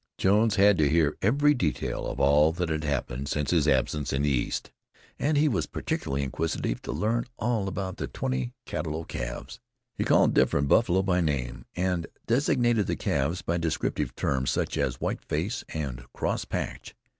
Jones had to hear every detail of all that had happened since his absence in the East, and he was particularly inquisitive to learn all about the twenty cattalo calves. He called different buffalo by name; and designated the calves by descriptive terms, such as "Whiteface" and "Crosspatch."